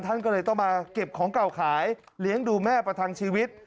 ท่านก็เลยต้องมาเก็บของเก่าขายเลี้ยงดูแม่ประทังชีวิต